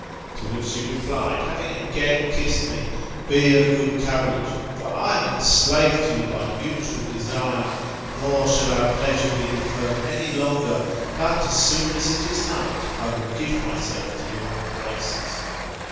To which she replied, having again kissed me. Be of good courage, for I am enslaved to you by mutual desire, nor shall our pleasure be deferred any longer; b«t as soon as it is night, I will give myself to your embraces.